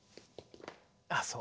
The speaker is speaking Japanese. あっそう。